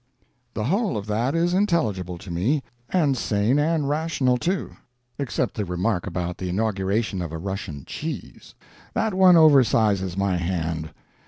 The whole of that is intelligible to me and sane and rational, too except the remark about the Inauguration of a Russian Cheese. That one oversizes my hand.